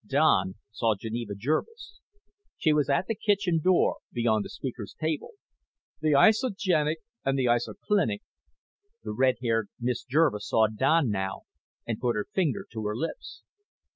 Don saw Geneva Jervis. She was at the kitchen door beyond the speaker's table. "... the isogenic and the isoclinic ..." The red haired Miss Jervis saw Don now and put her finger to her lips.